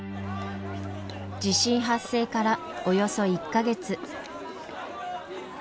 地震発生からおよそ１か月。